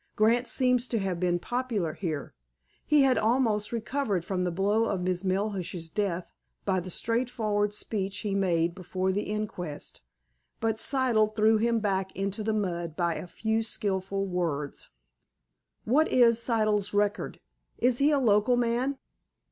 Grant seems to have been popular here; he had almost recovered from the blow of Miss Melhuish's death by the straightforward speech he made before the inquest. But Siddle threw him back into the mud by a few skillful words. What is Siddle's record? Is he a local man?"